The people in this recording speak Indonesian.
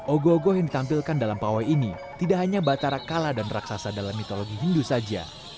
ogo ogoh yang ditampilkan dalam pawai ini tidak hanya batara kala dan raksasa dalam mitologi hindu saja